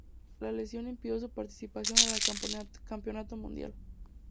La lesión impidió su participación en el Campeonato Mundial.